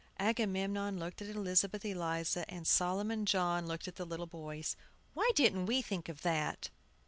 Agamemnon looked at Elizabeth Eliza, and Solomon John looked at the little boys. "Why didn't we think of that?"